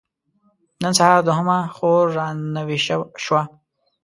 نن سهار دوهمه خور را نوې شوه.